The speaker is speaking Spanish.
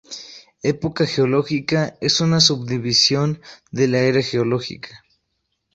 Época geológica es una subdivisión de la era geológica.